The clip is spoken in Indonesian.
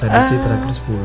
tadi sih terakhir sepuluh